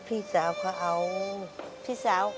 พี่สาวเขาเอา